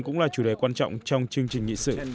cũng là chủ đề quan trọng trong chương trình nghị sự